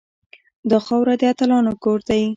دا خاوره د اتلانو کور دی